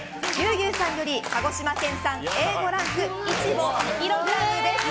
牛さんより鹿児島県産Ａ５ランクイチボ２ｋｇです。